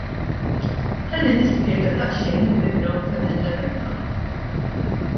Ħalli nispjega daqsxejn il-background ta' din l-emenda.